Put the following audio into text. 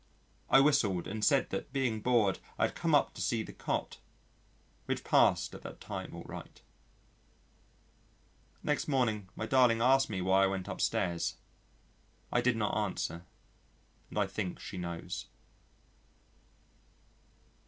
I whistled, and said that being bored I had come up to see the cot: which passed at that time all right. Next morning my darling asked me why I went upstairs. I did not answer, and I think she knows.